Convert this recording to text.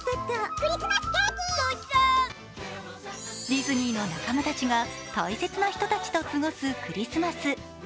ディズニーの仲間たちが大切な人たちと過ごすクリスマス。